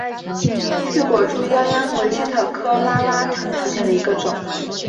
刺果猪殃殃为茜草科拉拉藤属下的一个种。